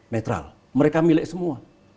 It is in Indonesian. netral mereka milik semua